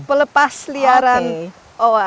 pelepas liaran owa